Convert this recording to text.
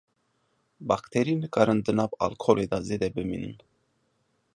Bakterî nikarin di nav alkolê de zêde bimînin.